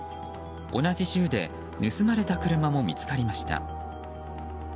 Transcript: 同じ州で盗まれた車も見つかりました。